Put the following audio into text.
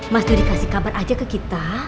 mas jadi kasih kabar aja ke kita